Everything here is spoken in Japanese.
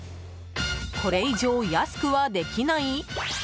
これ以上安くはできない？